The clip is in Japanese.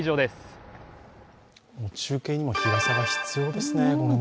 中継にも日傘が必要ですね。